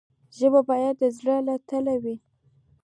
ژبه باید د زړه له تله وي.